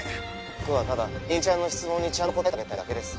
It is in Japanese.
僕はただ美雪ちゃんの質問にちゃんと答えてあげたいだけです。